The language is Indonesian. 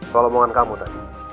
soal omongan kamu tadi